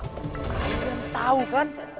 kalian tahu kan